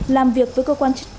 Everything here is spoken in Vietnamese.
làm việc với cơ quan